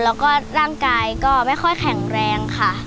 แล้วก็ร่างกายก็ไม่ค่อยแข็งแรงค่ะ